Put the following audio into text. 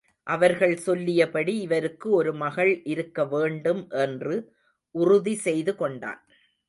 அவர்கள் சொல்லியபடி இவருக்கு ஒருமகள் இருக்க வேண்டும் என்று உறுதி செய்து கொண்டான்.